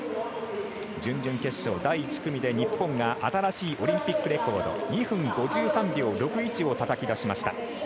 準々決勝、第１組で日本が新しいオリンピックレコード２分５３秒６１をたたき出しました。